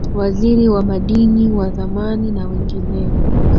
Waziri wa Madini wa zamani na wengineo